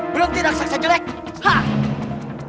belum tidak saksa jelek